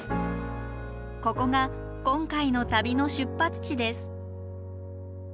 ここが今回の旅の出発地です。